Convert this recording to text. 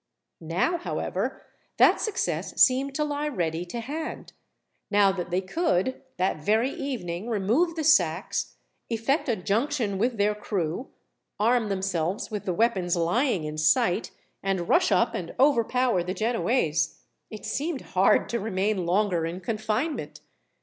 Now, however, that success seemed to lie ready to hand; now that they could, that very evening, remove the sacks, effect a junction with their crew, arm themselves with the weapons lying in sight, and rush up and overpower the Genoese; it seemed hard to remain longer in confinement.